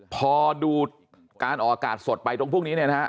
พอดูการออกอากาศสดไปตรงพวกนี้เนี่ยนะฮะ